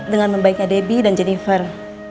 dengan membaiknya debbie dan jennifer